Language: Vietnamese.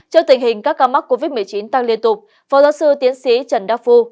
trước tình hình các ca mắc covid một mươi chín tăng liên tục phó giáo sư tiến sĩ trần đắc phu